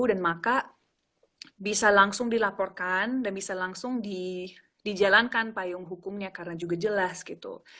dan maka bisa langsung dilaporkan dan bisa langsung dijalankan payung hukumnya karena juga jelas gitu